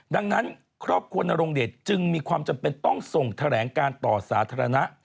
ดังนั้นครอบครัวนรงเดชจึงมีความจำเป็นต้องส่งแถลงการต่อสาธารณะ